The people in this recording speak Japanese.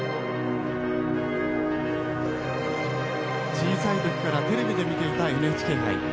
小さい時からテレビで見ていたＮＨＫ杯。